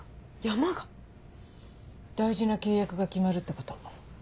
大事な契約が決まるってこと。